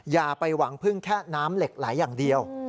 อย่าไปหวังพึ่งแค่น้ำเหล็กไหลอย่างเดียว